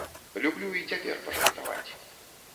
Люблю і цяпер пажартаваць.